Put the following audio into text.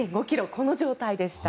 この状態でした。